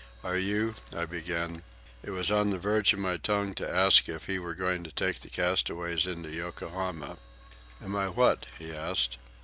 "Are you—" I began. It was on the verge of my tongue to ask if he were going to take the castaways into Yokohama. "Am I what?" he asked.